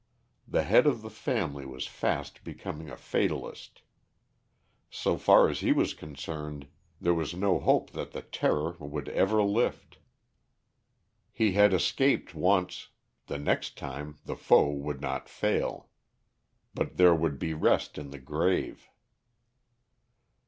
The head of the family was fast becoming a fatalist. So far as he was concerned, there was no hope that the terror would ever lift. He had escaped once; the next time the foe would not fail. But there would be rest in the grave.